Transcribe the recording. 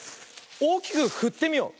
おおきくふってみよう。